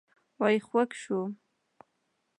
وئ خوږ شوم